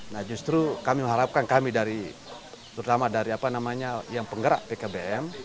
nah justru kami harapkan kami dari terutama dari apa namanya yang penggerak pkbm